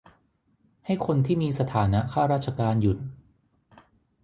- ให้คนที่มีสถานะข้าราชการหยุด